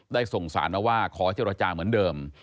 ได้ส่งสารมาว่าขอเจรจาเหมือนเดิม